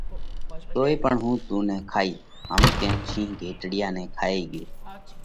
پڻ توئي هُون تُون نئہ کائِيه۔ هم ڪينَ شِينه گھيٽڙيا نئہ کائي ڳيو۔